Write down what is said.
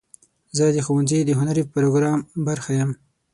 زه د ښوونځي د هنري پروګرام برخه یم.